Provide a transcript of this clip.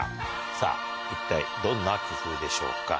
さぁ一体どんな工夫でしょうか？